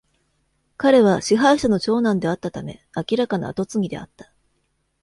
彼は支配者の長男であったため、明らかな後継ぎであった。